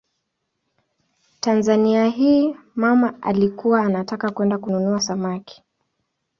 Tazama hii: "mama alikuwa anataka kwenda kununua samaki".